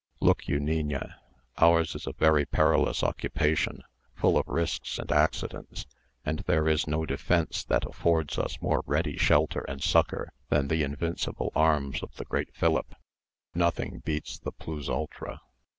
Look you, niña, ours is a very perilous occupation, full of risks and accidents; and there is no defence that affords us more ready shelter and succour than the invincible arms of the great Philip: nothing beats the plus ultra.